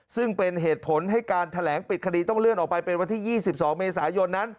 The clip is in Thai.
ซึ่งเป็นเหตุผลให้การแถลงปิดคดีต้องเลื่อนออกไปเป็นวันที่๒๒เมษายนนั้น